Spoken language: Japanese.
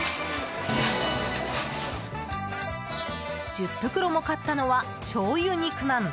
１０袋も買ったのは醤油肉まん。